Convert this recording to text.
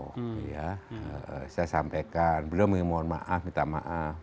saya sampaikan beliau mau mohon maaf kita maaf